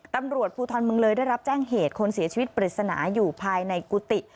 ตำรวจภูทรเมืองเลยได้รับแจ้งเหตุคนเสียชีวิตปริศนาอยู่ภายในกุฏิ